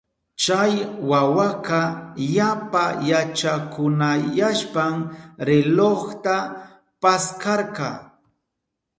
Chay wawaka yapa yachakunayashpan relojta paskarka.